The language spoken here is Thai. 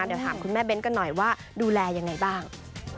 เดี๋ยวถามคุณแม่เบ้นกันหน่อยว่าดูแลยังไงบ้าง